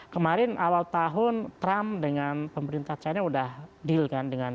kemarin awal tahun trump dengan pemerintah china sudah deal kan